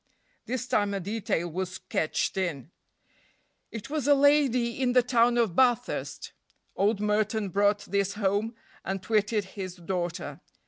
This time a detail was sketched in: "It was a lady in the town of Bathurst." Old Merton brought this home and twitted his daughter.